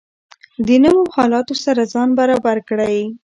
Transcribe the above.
د نویو حالاتو سره ځان برابر کړئ.